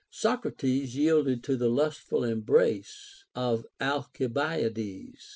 Socrates yielded to the lustful embraces of Alcibiades.